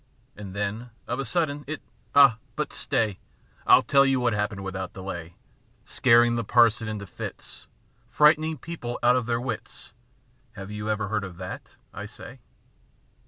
And then, of a sudden, it â ah, but stay, m tell you what happened without delay, â Scaring the parson into fits. Frightening the people out of their wits â Have you ever heard of that, I say